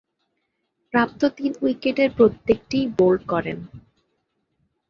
প্রাপ্ত তিন উইকেটের প্রত্যেকটিই বোল্ড করেন।